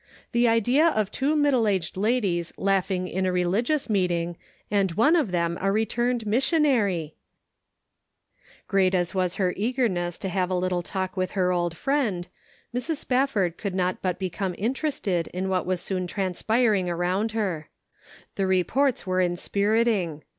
The idea of two middle aged ladies laughing in a religious meeting, and one of them a returned missionary ! Great as was her eagerness to have a little talk with her old friend, Mrs. Spafford could not but become interested in what was soon transpiring around her. The very reports were inspiriting.